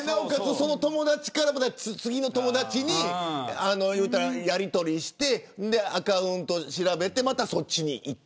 その友達から次の友達にやりとりをしてアカウントを調べてまたそっちにいく。